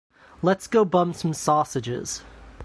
Let’s go bum some sausages.